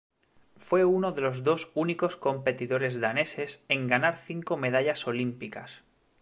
Fue uno de los dos únicos competidores daneses en ganar cinco medallas olímpicas.